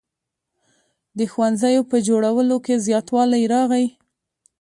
د ښوونځیو په جوړولو کې زیاتوالی راغی.